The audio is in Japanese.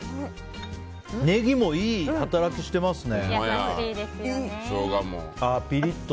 ネギもいい働きしてますね。